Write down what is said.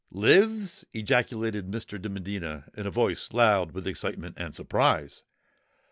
"Lives!" ejaculated Mr. de Medina, in a voice loud with excitement and surprise.